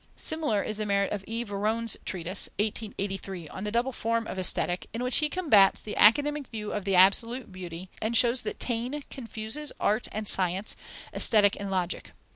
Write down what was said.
Similar is the merit of E. Véron's treatise (1883) on the double form of Aesthetic, in which he combats the academic view of the absolute beauty, and shows that Taine confuses Art and Science, Aesthetic and Logic.